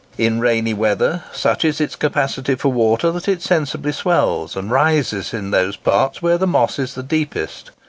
In rainy weather, such is its capacity for water that it sensibly swells, and rises in those parts where the moss is the deepest.